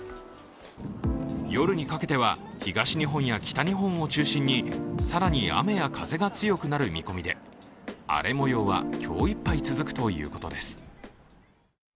夜にかけては東日本や北日本を中心に更に雨や風が強くなる見込みで荒れもようは今日いっぱい続くということです。